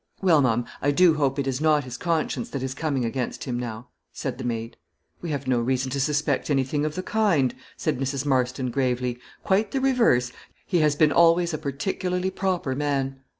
"Well, ma'am, I do hope it is not his conscience that is coming against him, now," said the maid. "We have no reason to suspect anything of the kind," said Mrs. Marston, gravely, "quite the reverse; he has been always a particularly proper man."